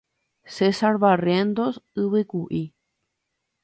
César Barrientos Yvykuʼi.